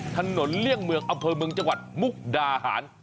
เลี่ยงเมืองอำเภอเมืองจังหวัดมุกดาหาร